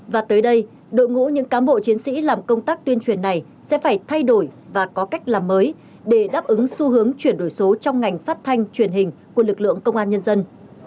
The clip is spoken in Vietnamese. và tới đây đội ngũ những cán bộ chiến sĩ làm công tác tuyên truyền này sẽ phải thay đổi và có cách làm mới để đáp ứng xu hướng chuyển đổi số trong ngành phát thanh truyền hình của lực lượng công an nhân dân